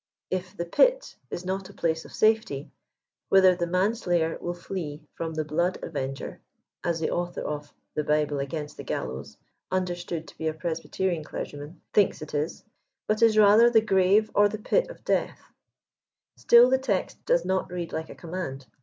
If " the pit" is not a place pjf safety, whither the man slayer will flee from the blood avenger, as the author of " The Bible against the Gallowa" — understood to he a Presbyterian clergyman — thinks it is ; but is rather the gtave or the pit of death ; still the text does not read like a command.